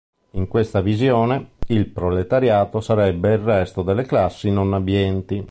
In questa visione, il proletariato sarebbe il resto delle classi non abbienti.